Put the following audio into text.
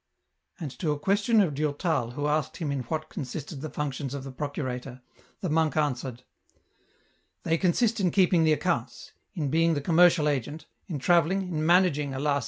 And to a question of Durtal who asked him in what con sisted the functions of procurator, the monk answered, " They consist in keeping the accounts, in being the commercial agent, in travelling, in managing, alas